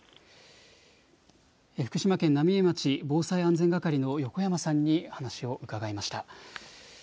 福島県浪江町、防災安全係の横山さんに話を伺いました。